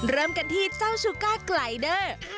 เริ่มกันที่เจ้าชูก้าไกลเดอร์